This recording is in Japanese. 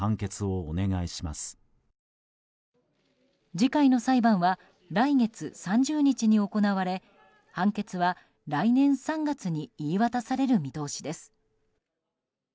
次回の裁判は来月３０日に行われ判決は、来年３月に言い渡される見通しです。